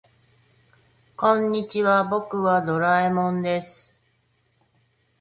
こんにちは、僕はドラえもんです。